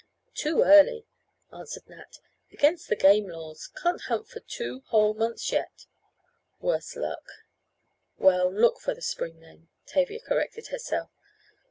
"Too early," answered Nat, "against the game laws. Can't hunt for two whole months yet. Worse luck." "Well, look for the spring then," Tavia corrected herself.